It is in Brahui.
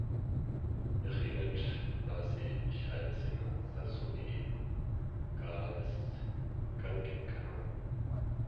یخین اٹ دا اسہ شاعر اسے نا سر سہبی ءِ ”کاغد اس کن کن کنا